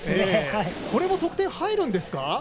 これも得点に入るんですか。